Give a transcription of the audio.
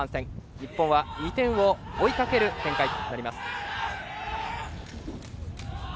日本は２点を追いかける展開となります。